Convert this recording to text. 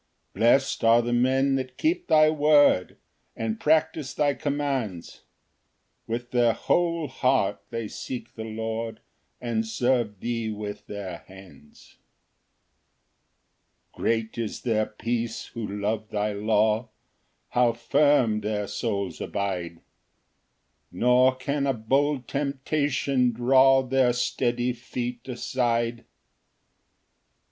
2 Blest are the men that keep thy word, And practise thy commands; With their whole heart they seek the Lord, And serve thee with their hands. Ver. 165. 3 Great is their peace who love thy law; How firm their souls abide! Nor can a bold temptation draw Their steady feet aside. Ver. 6.